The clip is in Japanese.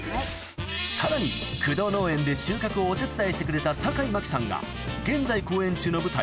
さらに工藤農園で収穫をお手伝いしてくれた坂井真紀さんが現在公演中の舞台